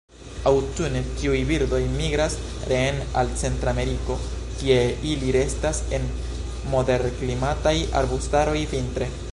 Aŭtune tiuj birdoj migras reen al Centrameriko, kie ili restas en moderklimataj arbustaroj vintre.